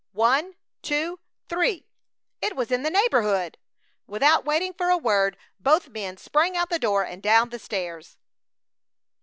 One! two! three! It was in the neighborhood. Without waiting for a word, both men sprang out the door and down the stairs.